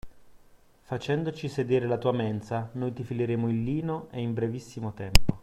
Facendoci sedere alla tua mensa, noi ti fileremo il lino e in brevissimo tempo.